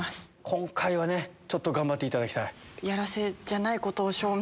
今回はね頑張っていただきたい。